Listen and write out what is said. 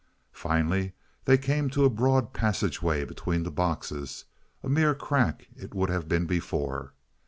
Finally they came to a broad passageway between the boxes a mere crack it would have been before.